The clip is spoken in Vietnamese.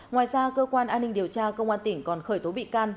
ngoài ra cơ quan an ninh điều tra công an tỉnh còn khởi tố bị can